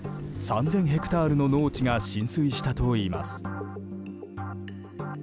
ヘクタールの農地が浸水したといいます。